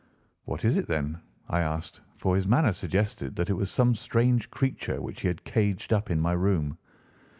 "What is it, then?" I asked, for his manner suggested that it was some strange creature which he had caged up in my room.